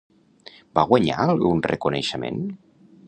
Va guanyar algun reconeixement?